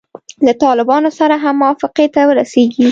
له طالبانو سره هم موافقې ته ورسیږي.